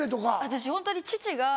私ホントに父が。